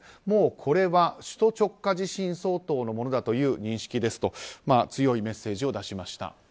もう、これは首都直下地震相当のものだという認識ですと強いメッセージを出しました。